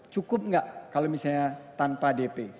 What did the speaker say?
cukup nggak kalau misalnya tanpa dp